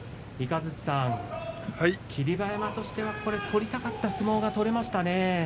雷さん、霧馬山としては取りたかった相撲が取れましたね。